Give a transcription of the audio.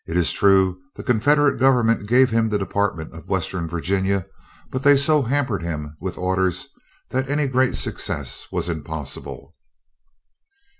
It is true the Confederate government gave him the department of Western Virginia, but they so hampered him with orders that any great success was impossible.